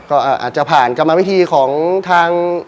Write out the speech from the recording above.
ก็อาจจะผ่านกรรมวิธีของทาง